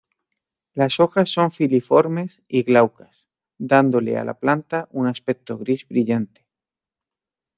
Las hojas son filiformes y glaucas, dándole a la planta un aspecto gris brillante.